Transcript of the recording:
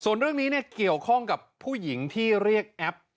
ส่วนเรื่องนี้เนี่ยเกี่ยวข้องกับผู้หญิงที่เรียกแอป